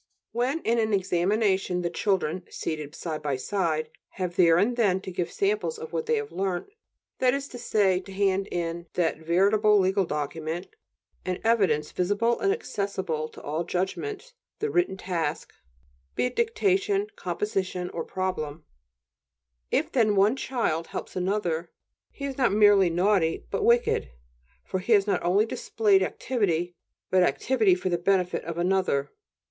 When in an examination the children, seated side by side, have there and then to give samples of what they have learnt, that is, to hand in that veritable legal document, an evidence visible and accessible to all judgments, the written task, be it dictation, composition or problem; if then one child helps another, he is not merely naughty, but wicked, for he has not only displayed activity, but activity for the benefit of another.